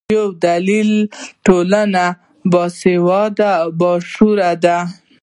یو دلیل یې ټولنه باسواده او باشعوره ده.